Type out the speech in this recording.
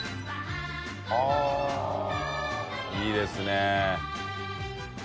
◆舛いいですね。